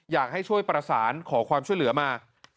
อยากให้ช่วยประสานขอความช่วยเหลือมา